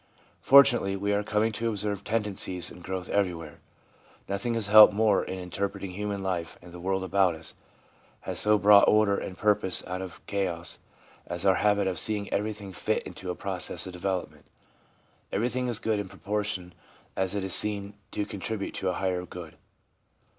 Fortunately, we are coming to observe tendencies in growth everywhere. Nothing has helped more in inter preting human life and the world about us, has so brought order and purpose out of chaos, as our habit of seeing everything fit into a process of development. Everything is good in proportion as it is seen to con tribute to a higher good.